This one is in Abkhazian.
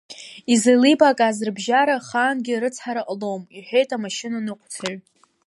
Изеилибакааз рыбжьара, ахаангьы рыцҳара ҟалом, — иҳәеит амашьына ныҟәцаҩ.